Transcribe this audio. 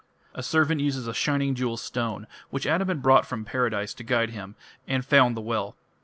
A servant uses a shining jewel stone, which Adam had brought from Paradise, to guide him, and found the well.